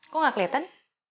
kok gak keliatan